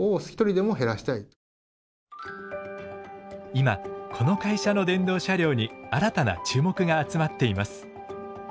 今この会社の電動車両に新たな注目が集まっています。